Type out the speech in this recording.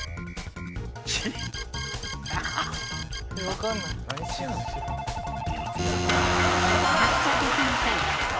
発車できません。